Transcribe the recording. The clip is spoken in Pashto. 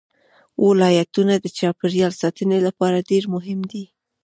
ولایتونه د چاپیریال ساتنې لپاره ډېر مهم دي.